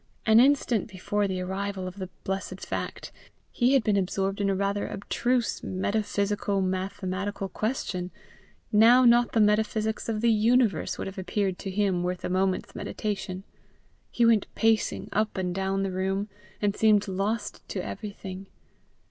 An instant before the arrival of the blessed fact, he had been absorbed in a rather abstruse metaphysico mathematical question; now not the metaphysics of the universe would have appeared to him worth a moment's meditation. He went pacing up and down the room, and seemed lost to everything.